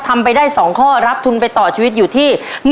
ทำไปได้๒ข้อรับทุนไปต่อชีวิตอยู่ที่